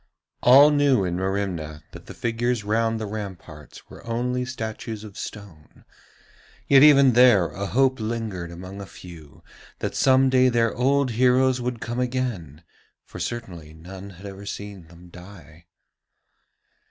All knew in Merimna that the figures round the ramparts were only statues of stone, yet even there a hope lingered among a few that some day their old heroes would come again, for certainly none had ever seen them die.